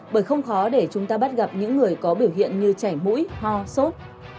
bởi không khó để chúng ta bắt gặp những người có biểu hiện như chảy mũi ho sốt